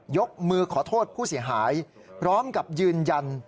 ยกมือขอโทษผู้เสียหายพร้อมกับยืนยัน